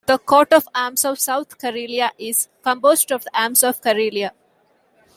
The coat of arms of South Karelia is composed of the arms of Karelia.